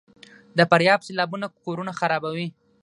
د فاریاب سیلابونه کورونه خرابوي؟